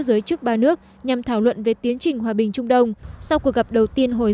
giới chức ba nước nhằm thảo luận về tiến trình hòa bình trung đông sau cuộc gặp đầu tiên hồi